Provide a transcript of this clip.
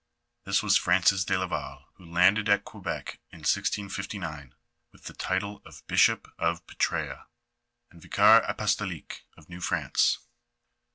This was Francis de Laval, who landed at Quebec in 1659, with the title of bishop of Pctrea, and vicar apostolic of New France.